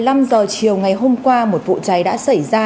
vào lúc một mươi năm h chiều ngày hôm qua một vụ cháy đã xảy ra